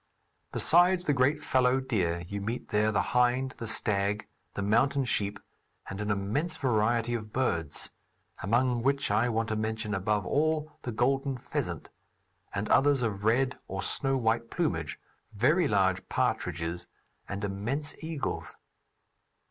Besides the great fallow deer, you meet there the hind, the stag, the mountain sheep and an immense variety of birds, among which I want to mention above all the golden pheasant, and others of red or snow white plumage, very large partridges and immense eagles.